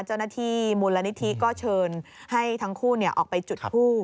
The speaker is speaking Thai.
เจ้าหน้าที่มูลนิธิก็เชิญให้ทั้งคู่ออกไปจุดคู่